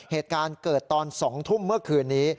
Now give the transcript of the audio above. เหตุการณ์เกิดตอน๒ทุ่มเมื่อคืนนี้